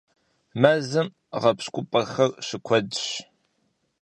Мэзым гъэпщкӀупӀэхэр щыкуэдщ.